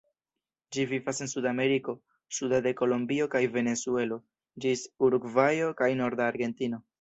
Ĝi vivas en Sudameriko, sude de Kolombio kaj Venezuelo ĝis Urugvajo kaj norda Argentino.